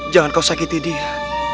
jangan kau sakiti dia